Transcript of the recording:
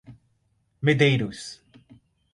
Medeiros